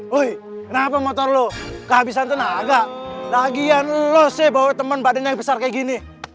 woi kenapa motor lo kehabisan tenaga lagian lo sih bawa temen badan yang besar kayak gini